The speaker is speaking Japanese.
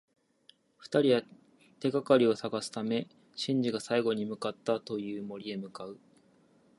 二人は、手がかりを探すためシンジが最後に向かったという森へ向かう。